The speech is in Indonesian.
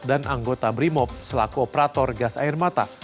dan anggota brimop selaku operator gas air mata